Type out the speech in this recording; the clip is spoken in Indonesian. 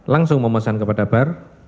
langsung mau pesan kepada bar